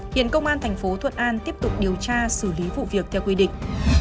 hiện công an tp thuận an tiếp tục điều tra xử lý vụ việc theo quy định